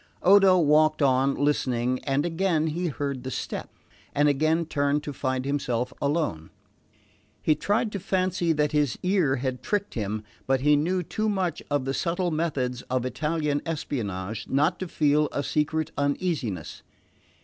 Odo walked on, listening, and again he heard the step, and again turned to find himself alone. He tried to fancy that his ear had tricked him; but he knew too much of the subtle methods of Italian espionage not to feel a secret uneasiness.